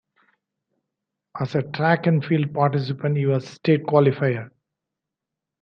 As a track and field participant, he was state qualifier.